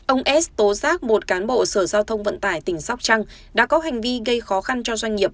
ông s tố giác một cán bộ sở giao thông vận tải tỉnh sóc trăng đã có hành vi gây khó khăn cho doanh nghiệp